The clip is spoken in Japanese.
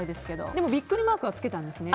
でもビックリマークはつけたんですね。